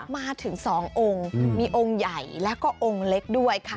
มาถึง๒องค์มีองค์ใหญ่แล้วก็องค์เล็กด้วยค่ะ